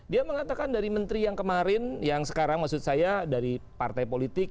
dia mengatakan dari menteri yang kemarin yang sekarang maksud saya dari partai politik